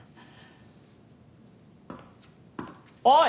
おい！